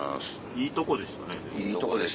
いいとこでした。